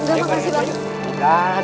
enggak makasih abang